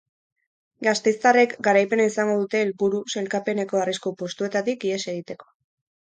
Gasteiztarrek garaipena izango dute helburu sailkapeneko arrisku postuetatik ihes egiteko.